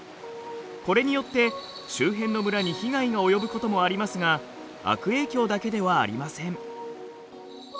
これによって周辺の村に被害が及ぶこともありますが悪影響だけではありません。